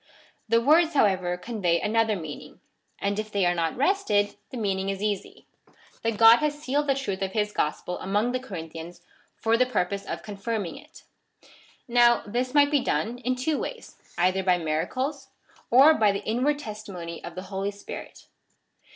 The words, however, convey another meaning, and if they are not wrested, the meaning is easy — that God has sealed the truth of his gosjDel among the Corinthians, for the purpose of confirming it. Now, this might be done in two ways, either by miracles, or by the inward testimony of the Holy Spirit.